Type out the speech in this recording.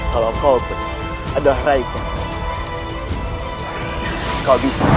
kalau kau ada raikan kau bisa